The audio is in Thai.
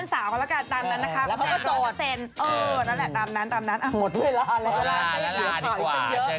สวัสดีค่ะ